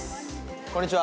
こんにちは。